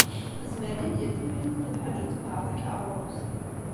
Tezmer Lidya n Tifrit n At Lḥaǧ ad tenheṛ takeṛṛust?